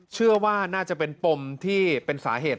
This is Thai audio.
เชื่อว่าน่าจะเป็นปมที่เป็นสาเหตุ